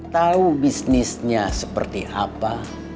tahu bisnisnya seperti apa